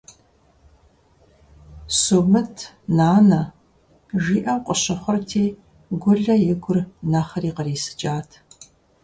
«Сумыт, нанэ!», – жиӀэу къыщыхъурти, Гулэ и гур нэхъри кърисыкӀат.